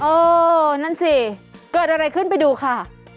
เออนั่นสิเกิดอะไรขึ้นไปดูค่ะ